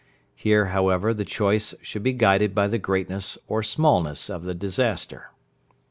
Here, however, the choice should be guided by the greatness or smallness of the disaster.